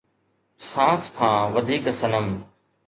سانس کان وڌيڪ صنم